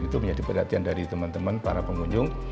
itu menjadi perhatian dari teman teman para pengunjung